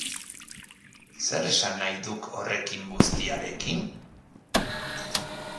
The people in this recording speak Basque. Zer esan nahi duk horrekin guztiarekin?